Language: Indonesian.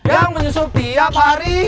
yang menyusup tiap hari